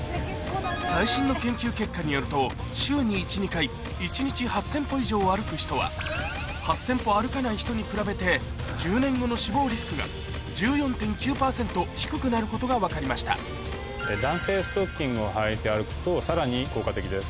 最新の研究結果によると以上歩く人は８０００歩歩かない人に比べて１０年後の死亡リスクが１４．９％低くなることが分かりましたをはいて歩くとさらに効果的です。